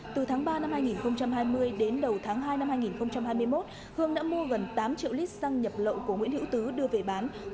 từ tháng ba năm hai nghìn hai mươi đến đầu tháng hai năm hai nghìn hai mươi một hương đã mua gần tám triệu lít xăng nhập lậu của nguyễn hữu tứ đưa về bán